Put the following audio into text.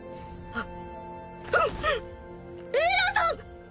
あっ。